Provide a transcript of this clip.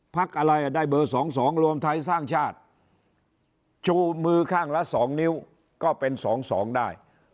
พักอะไรอะได้เบอร์สองสองรวมไทยสร้างชาติชูมือข้างละสองนิ้วก็เป็นสองสองได้